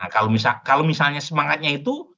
kalau misalnya semangatnya itu